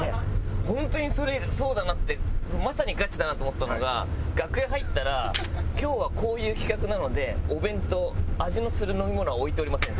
本当にそれそうだなってまさにガチだなって思ったのが楽屋入ったら「今日はこういう企画なのでお弁当味のする飲み物は置いておりません」。